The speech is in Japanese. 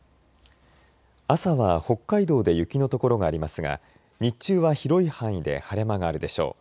朝は北海道で雪の所がありますが日中は広い範囲で晴れ間があるでしょう。